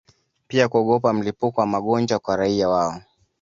pia kuogopa mlipuko wa magonjwa kwa raia wao